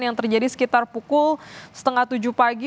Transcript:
yang terjadi sekitar pukul setengah tujuh pagi